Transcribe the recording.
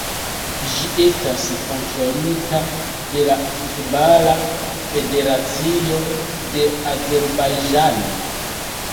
Ĝi estas kontrolita de la Futbala Federacio de Azerbajĝano.